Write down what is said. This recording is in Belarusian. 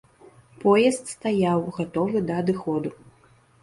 Поезд стаяў, гатовы да адыходу.